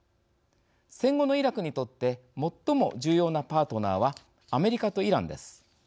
戦後のイラクにとって最も重要なパートナーはアメリカとイランです。